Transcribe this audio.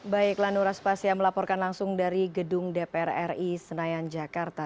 baik lanu raspasia melaporkan langsung dari gedung dpr ri senayan jakarta